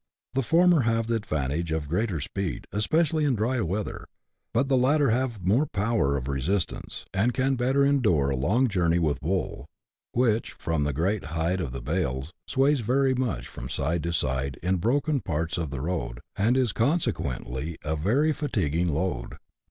The former have the advantage of greater speed, especially in dry weather ; but the latter have more power of resistance, and can better endure a long journey with wool, which, from the great height of the bales, sways very much from side to side in broken parts of the road, and is consequently a very fatiguing load.